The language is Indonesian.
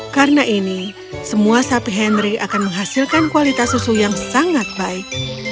karena ini semua sapi henry akan menghasilkan kualitas susu yang sangat baik